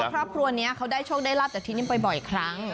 เขาบอกว่าพราบครัวนี้เขาได้โชคได้รับแต่ที่นี่ไปบ่อยครั้ง